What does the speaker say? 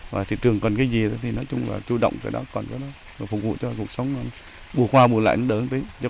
và thị trường còn cái gì thì nói chung là chú động cái đó còn cho nó phục vụ cho cuộc sống bùa hoa bùa lại nó đỡ một tí